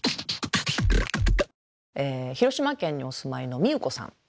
広島県にお住まいのみゆこさん